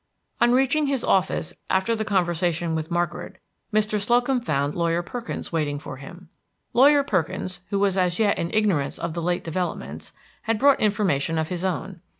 On reaching his office, after the conversation with Margaret, Mr. Slocum found Lawyer Perkins waiting for him. Lawyer Perkins, who was as yet in ignorance of the late developments, had brought information of his own.